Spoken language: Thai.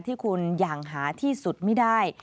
ที่คุณอย่างหาที่สุดไม่ได้